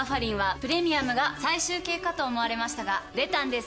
プレミアムが最終形かと思われましたが出たんです